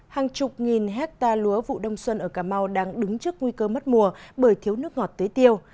hàng chục nghìn hectare lúa vụ đông xuân ở cà mau đang đứng trước nguy cơ mất mùa bởi thiếu nước ngọt tế tiêu